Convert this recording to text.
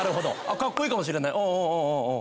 かっこいいかもしれないうんうん。